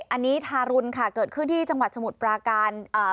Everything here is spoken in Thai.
อันนี้ทารุณค่ะเกิดขึ้นที่จังหวัดสมุทรปราการอ่า